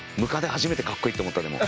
初めてかっこいいと思ったでも。